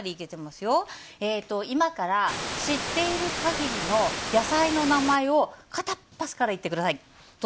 今から知っている限りの野菜の名前を片っ端から言ってください。